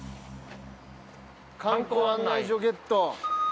観光案内所ゲット